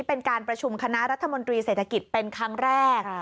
เป็นการประชุมคณะรัฐมนตรีเศรษฐกิจเป็นครั้งแรก